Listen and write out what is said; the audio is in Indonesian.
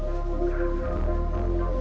berikutnya tetap menjaga keamanan